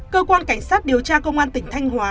cơ quan cảnh sát điều tra công an tỉnh thanh hóa